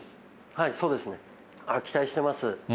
そうですね、期待してます。